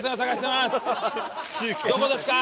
どこですか？